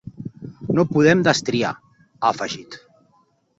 No podem destriar, ha afegit.